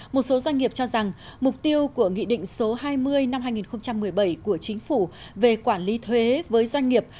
một số doanh nghiệp cho rằng mục tiêu của nghị định số hai mươi năm hai nghìn một mươi bảy của chính phủ về quản lý thuế với doanh nghiệp